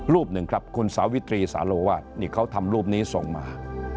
รูปหนึ่งครับคุณสาวิตรีสาโลวาสนี่เขาทำรูปนี้ส่งมา